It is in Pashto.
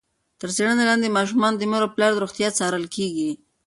تر څېړنې لاندې ماشومان د مور او پلار د روغتیا څارل کېږي.